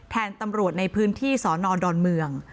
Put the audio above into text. แทนตำรวจในพื้นที่สอนอดอนเมือง